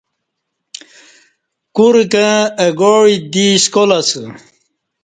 کورہ کں اہ گاع عِڅ دی سکال اسہ